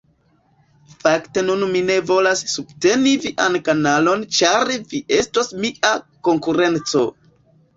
Fakte nun mi ne volas subteni vian kanalon ĉar vi estos mia konkurenco